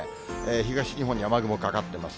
東日本に雨雲かかってます。